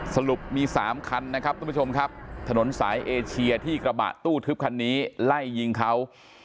สรุปมี๓คันนะครับทุกผู้ชมครับถนนสายเอเชียที่กระบะตู้ทึบคันนี้ไล่ยิงเขา